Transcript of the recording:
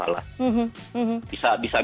garapannya gine esnur kalau nggak salah